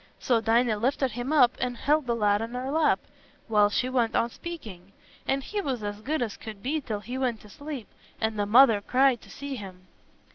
So Dinah lifted him up and held th' lad on her lap, while she went on speaking; and he was as good as could be till he went to sleep—and the mother cried to see him."